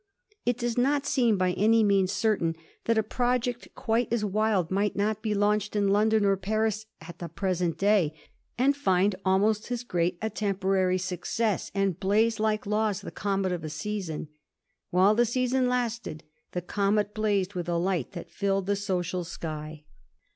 It does not seem by any means certain that a project quite as wild might not be launched in London or Paris at the present day, and find almost as great a temporary success, and blaze, like Law's, the comet of a season. While the season lasted the comet blazed with a light that filled the social sky.